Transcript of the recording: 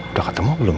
udah ketemu belum